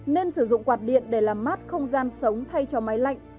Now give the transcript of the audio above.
nên sử dụng quạt điện để làm mát không gian sống thay cho máy lạnh